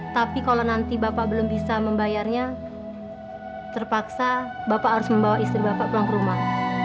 tapi kalau nanti bapak belum bisa membayarnya terpaksa bapak harus membawa istri bapak pulang ke rumah